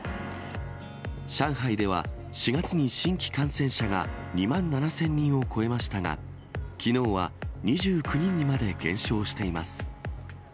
上海では、４月に新規感染者が２万７０００人を超えましたが、きのうは２９人にまで減少しています。